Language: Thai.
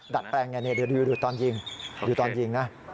ดัดแปลงอย่างนี้ดูตอนยิงตอนยิงนะ